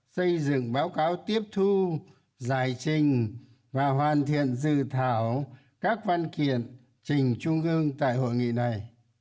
xây dựng báo cáo tiếp thu giải trình và hoàn thiện dự thảo các văn kiện trình trung ương tại hội nghị này